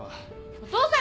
お父さん！